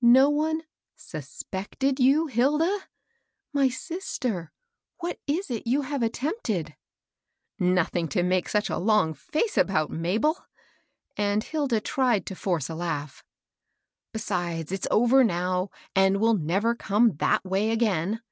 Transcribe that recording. "No one suspected you, Hilda? My sister! what is it you have attempted? " 62 MABEL ROSS. *^ Nothing to make sach a long face about, Mabel." And Hilda tried to force a laugh. Besides, it's over now, and will never come that way again.